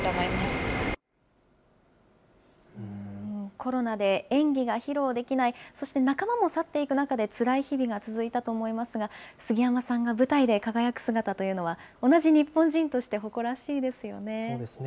コロナで演技が披露できない、そして仲間も去っていく中で、つらい日々が続いたと思いますが、杉山さんが舞台で輝く姿というのは、同じ日本人として誇らしいですよね。